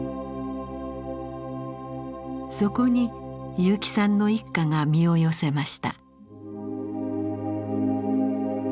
そこに結城さんの一家が身を寄せました。